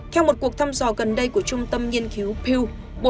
theo một cuộc thăm dò gần đây của trung tâm nghiên cứu pial